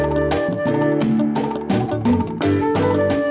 tasik tasik tasik tasik